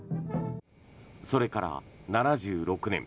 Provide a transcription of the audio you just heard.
それから７６年。